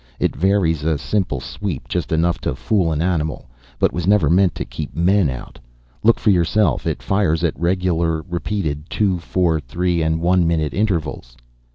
It varies a simple sweep just enough to fool an animal, but was never meant to keep men out. Look for yourself. It fires at regularly repeated two, four, three and one minute intervals."